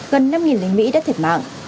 gần năm lính mỹ đã thiệt mạng